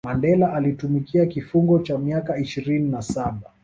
mandela alitumikia kifungo kwa miaka ishirini na saba